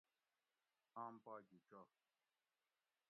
آم پا گھی چو